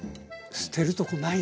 捨てるとこない。